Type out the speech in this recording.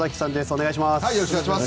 お願いします。